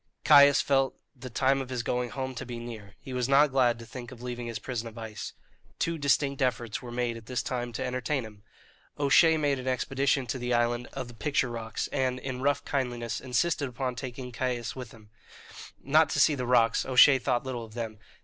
Caius felt the time of his going home to be near; he was not glad to think of leaving his prison of ice. Two distinct efforts were made at this time to entertain him. O'Shea made an expedition to the island of the picture rocks, and, in rough kindliness, insisted upon taking Caius with him, not to see the rocks O'Shea thought little of them.